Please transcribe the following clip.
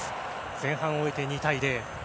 前半を終えて２対０。